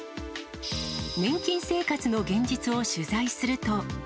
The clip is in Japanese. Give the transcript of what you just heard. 年金生活の現実を取材すると。